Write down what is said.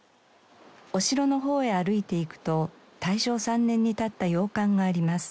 お城の方へ歩いていくと大正３年に建った洋館があります。